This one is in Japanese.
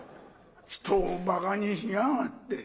人をバカにしやがって。